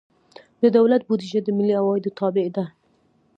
د دولت بودیجه د ملي عوایدو تابع ده.